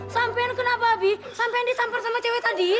sampain kenapa abi sampain disampar sama cewek tadi